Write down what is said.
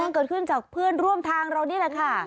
เกิดขึ้นจากเพื่อนร่วมทางเรานี่แหละค่ะ